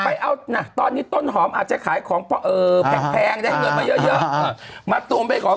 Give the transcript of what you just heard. ไปเอานะตอนนี้ต้นหอมอาจจะขายของแพงได้เงินมาเยอะมาตูมไปขอ